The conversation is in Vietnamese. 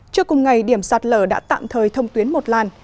trước cùng ngày điểm sạt lở đã tạm thời thông tuyến một làn